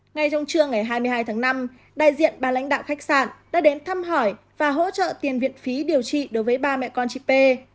ngay trong trưa ngày hai mươi hai tháng năm đại diện bà lãnh đạo khách sạn đã đến thăm hỏi và hỗ trợ tiền viện phí điều trị đối với ba mẹ con chị p